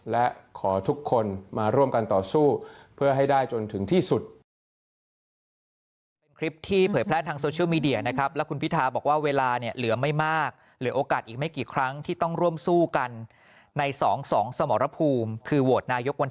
และขอทุกคนมาร่วมกันต่อสู้เพื่อให้ได้จนถึงที่สุดนะครับ